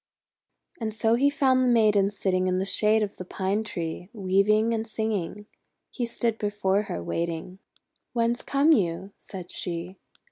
And so he found the Maiden sitting in the shade of the Pine Tree, weaving and singing. He stood before her, waiting. 'Whence come you?" said she.